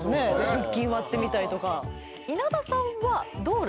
腹筋割ってみたりとかふふふ